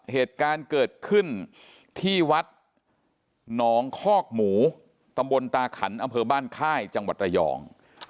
เหตุการณ์เกิดขึ้นที่วัดหนองคอกหมูตำบลตาขันอำเภอบ้านค่ายจังหวัดระยอง